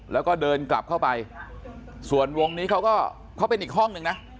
แล้วก็เดินกลับเข้าไปส่วนวงนี้เขาก็เขาเป็นอีกห้องหนึ่งนะ